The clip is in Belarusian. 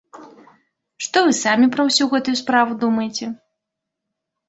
Што вы самі пра ўсю гэтую справу думаеце?